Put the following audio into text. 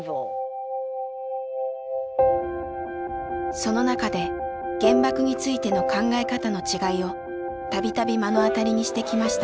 その中で原爆についての考え方の違いを度々目の当たりにしてきました。